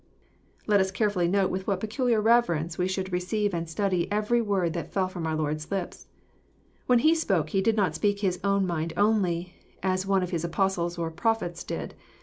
Let us careftilly note with what peculiar reverence we should receive and study every word that fell ftom our Lord's lips. When He spoke. He did not speak His own mind only, as one of His Apostles or prophets did.